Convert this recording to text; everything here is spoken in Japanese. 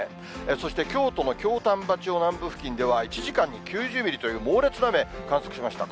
そして、京都の京丹波町南部付近では、１時間に９０ミリという猛烈な雨、観測しました。